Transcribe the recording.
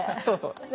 そうそう。